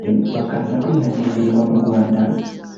bakaza kwihangira imirimo mu Rwanda